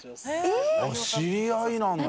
知り合いなんだ！